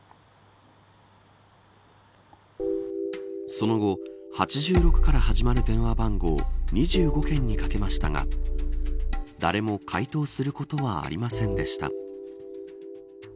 その後、８６から始まる電話番号２５件にかけましたが誰も回答することはありませんでした。